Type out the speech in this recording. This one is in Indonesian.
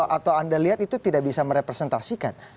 atau anda lihat itu tidak bisa merepresentasikan